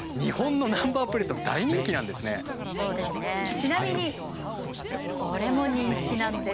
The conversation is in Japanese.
ちなみにこれも人気なんです。